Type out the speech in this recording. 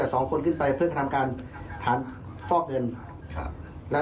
และได้ทำความผิดฐานฟอร์มในการเหตุที่ได้สมพบกันนะครับ